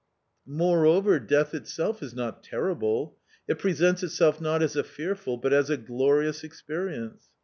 Moreover, death itself is not terrible ; it presents itself not as a fearful but as a glorious experience.